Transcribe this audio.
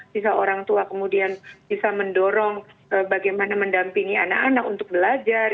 bisa orang tua kemudian bisa mendorong bagaimana mendampingi anak anak untuk belajar